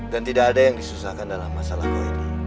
dan tidak ada yang disusahkan dalam masalah kamu ini